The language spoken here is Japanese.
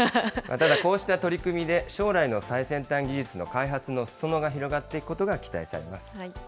ただ、こうした取り組みで将来の最先端技術の開発のすそ野が広がっていくことが期待されます。